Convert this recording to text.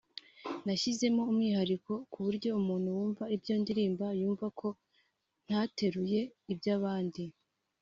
nashyizemo umwihariko ku buryo umuntu wumva ibyo ndirimba yumva ko ntateruye iby’abandi